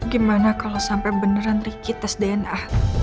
gimana kalau sampai beneran riki tes dna